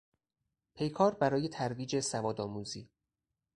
پیکار برای ترویج سوادآموزی